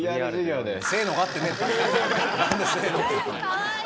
かわいい。